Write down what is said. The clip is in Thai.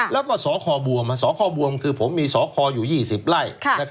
แล้วก็สคบวมสคบวมคือผมมีสคอยู่๒๐ไร่